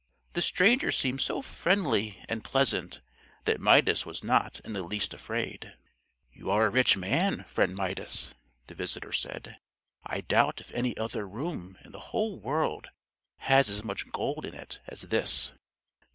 The stranger seemed so friendly and pleasant that Midas was not in the least afraid. "You are a rich man, friend Midas," the visitor said. "I doubt if any other room in the whole world has as much gold in it as this."